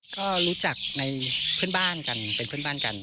ก็รู้จักในเพื่อนบ้านกันเป็นเพื่อนบ้านกัน